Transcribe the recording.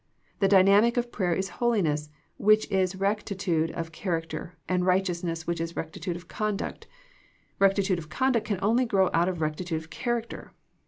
The dynamic of prayer is holiness, which is rectitude of charac ter, and righteousness, which is rectitude of con duct. Kectitude of conduct can only grow out of rectitude of character.